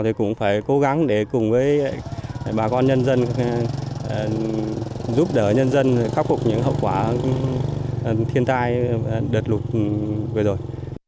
thì cũng phải cố gắng để cùng với bà con nhân dân giúp đỡ nhân dân khắc phục những hậu quả thiên tai đợt lụt vừa rồi